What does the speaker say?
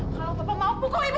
kalau bapak mau pukul ibu